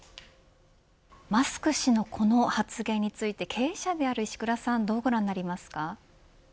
マスク氏のこの発言について経営者である石倉さんはどうご覧になりました。